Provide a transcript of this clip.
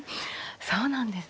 そうなんですか。